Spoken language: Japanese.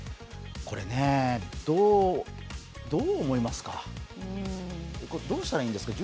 これね、どう思いますか？